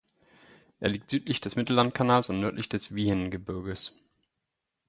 Er liegt südlich des Mittellandkanals und nördlich des Wiehengebirges.